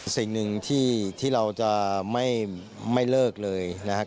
สิ่งหนึ่งที่เราจะไม่เลิกเลยนะครับ